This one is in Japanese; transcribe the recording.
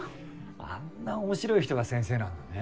あんな面白い人が先生なんだね。